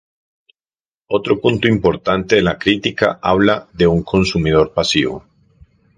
Otro punto importante de la crítica habla de un consumidor pasivo.